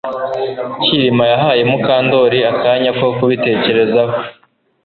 Kirima yahaye Mukandoli akanya ko kubitekerezaho